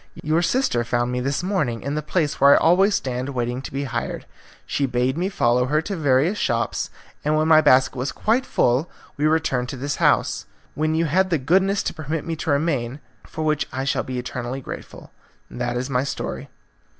Your sister found me this morning in the place where I always stand waiting to be hired. She bade me follow her to various shops, and when my basket was quite full we returned to this house, when you had the goodness to permit me to remain, for which I shall be eternally grateful. That is my story."